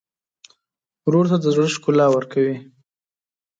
ورور ته د زړه ښکلا ورکوې.